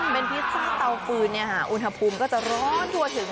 เป็นพิซซ่าเตาฟืนอุณหภูมิก็จะร้อนทั่วถึง